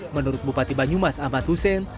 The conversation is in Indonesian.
menurut bupati banyumas ahmad hussein